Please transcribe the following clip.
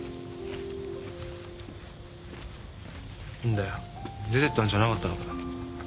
んだよ出てったんじゃなかったのかよ。